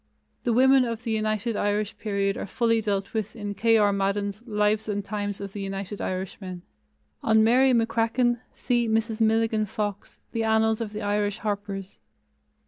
The women of the United Irish period are fully dealt with in K. R. Madden's Lives and Times of the United Irishmen. On Mary McCracken, see Mrs. Milligan Fox, The Annals of the Irish Harpers.